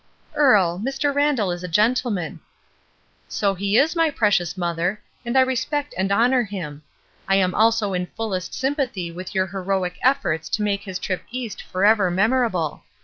"Earle, Mr. Randall is a gentleman." "So he is, my precious mother, and I respect 398 ESTER RIED'S NAMESAKE and honor him. I am also in fullest sympathy with your heroic efforts to make his trip East forever memorable.